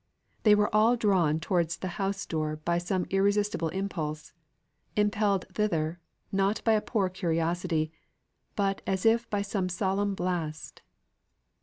They were all drawn towards the house door by some irresistible impulse; impelled thither not by a poor curiosity, but as if by some solemn blast.